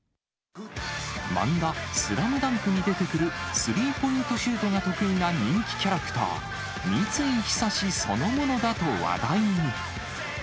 漫画、スラムダンクに出てくるスリーポイントシュートが得意な人気キャラクター、三井寿そのものだと話題に。